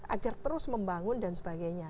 agar terus membangun dan sebagainya